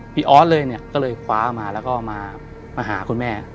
ออสเลยเนี่ยก็เลยคว้ามาแล้วก็มาหาคุณแม่